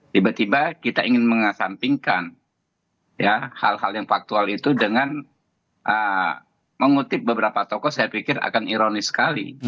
tiba tiba kita ingin mengesampingkan hal hal yang faktual itu dengan mengutip beberapa tokoh saya pikir akan ironis sekali